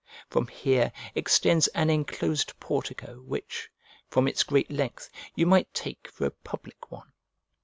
From here extends an enclosed portico which, from its great length, you might take for a public one.